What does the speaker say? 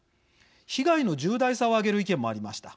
被害の重大さを挙げる意見もありました。